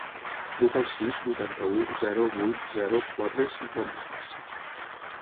Truca al sis, vuitanta-u, zero, vuit, zero, quatre, cinquanta-sis.